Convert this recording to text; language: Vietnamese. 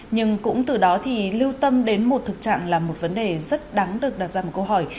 nhưng cũng từ đó thì lưu tâm đến một thực trạng là một vấn đề rất đáng được đặt ra một câu hỏi